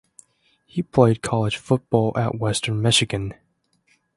He played college football at Western Michigan.